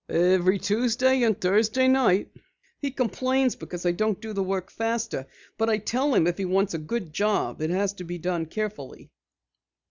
"Every Tuesday and Thursday night. He complains because I don't do the work faster, but I tell him if he wants a good job it has to be done carefully."